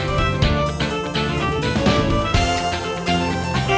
masalah maksimal p williams